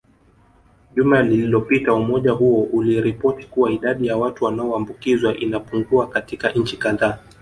Juma lilopita umoja huo uliripoti kuwa idadi ya watu wanaoambukizwa inapungua katika nchi kadhaa